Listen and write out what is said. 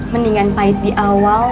mendingan pahit di awal